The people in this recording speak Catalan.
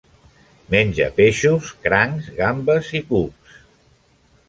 Menja peixos, crancs, gambes i cucs.